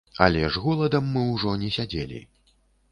Але ж голадам мы ўжо не сядзелі.